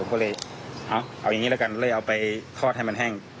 ก็เลยเอาอย่างนี้แล้วกันเลยเอาไปทอดให้มันแห้ง